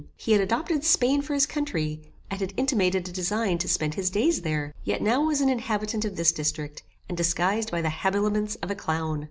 He had adopted Spain for his country, and had intimated a design to spend his days there, yet now was an inhabitant of this district, and disguised by the habiliments of a clown!